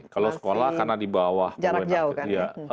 kalau sekolah masih jarak jauh kan